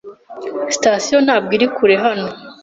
Sitasiyo ntabwo iri kure hano.